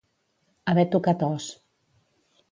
Haver tocat os.